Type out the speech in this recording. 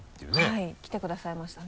はい来てくださいましたね。